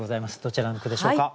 どちらの句でしょうか？